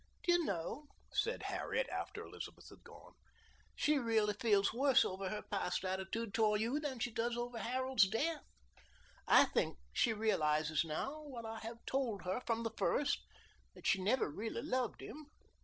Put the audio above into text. "Do you know," said Harriet, after Elizabeth had gone, "she really feels worse over her past attitude toward you than she does over Harold's death? I think she realizes now what I have told her from the first, that she never really loved him.